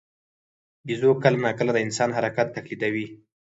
بیزو کله ناکله د انسان حرکات تقلیدوي.